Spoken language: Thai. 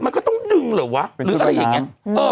แล้วก็เป็นชุดไวน้ำงั้นมันก็ต้องดึงด้วยหรือวะ